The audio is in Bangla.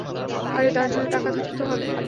আরে, তার জন্য টাকা থাকতে তো হবে?